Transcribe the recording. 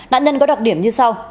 nạn nhân có đặc điểm như sau